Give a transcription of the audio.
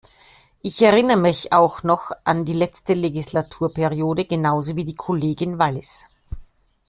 Ich erinnere mich auch noch an die letzte Legislaturperiode, genauso wie die Kollegin Wallis.